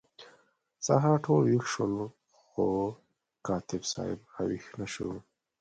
سهار ټول ویښ شول خو کاتب صاحب را ویښ نه شو.